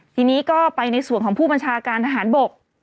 ทีนี้ก็ไปในส่วนของผู้บัญชาการทหารบก